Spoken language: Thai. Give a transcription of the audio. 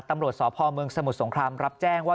ตำรวจสพเมืองสมุทรสงครามรับแจ้งว่า